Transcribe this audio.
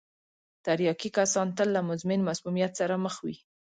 تریاکي کسان تل له مزمن مسمومیت سره مخ وي.